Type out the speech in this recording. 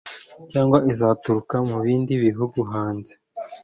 cyangwa izituruka mu bindi bihugu, hamwe